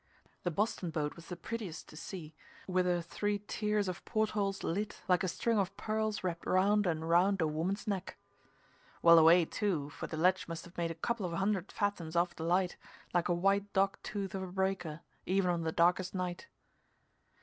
The Boston boat was the prettiest to see, with her three tiers of port holes lit, like a string of pearls wrapped round and round a woman's neck well away, too, for the ledge must have made a couple of hundred fathoms off the Light, like a white dog tooth of a breaker, even on the darkest night.